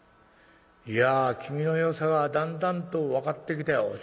いや君のよさがだんだんと分かってきたよ」。